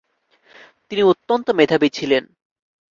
তিনি অত্যন্ত মেধাবী ছিলেন।